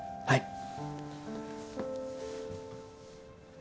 はい。